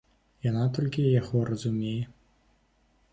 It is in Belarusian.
Яна толькі яго разумее.